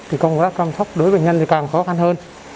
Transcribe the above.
thì công tác chăm sóc đối với bệnh nhân thì càng khó khăn hơn